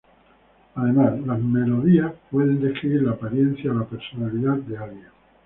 Además, las melodías pueden describir la apariencia o la personalidad de alguien.